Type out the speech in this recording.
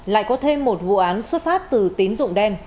lại có thêm một vụ án xuất phát từ tín dụng đen